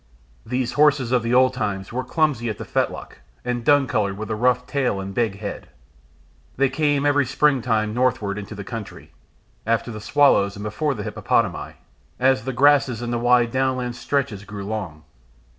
These horses of the old time were clumsy at the fetlock and dun coloured, with a rough tail and big head. They came every spring time north westward into the country, after the swallows and before the hippopotami, as the grass on the wide downland stretches grew long.